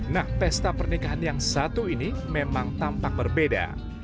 nah pesta pernikahan yang satu ini memang tampak berbeda